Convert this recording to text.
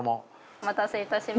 お待たせいたしました。